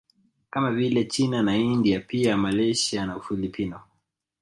Kama vile China na India pia Malaysia na Ufilipino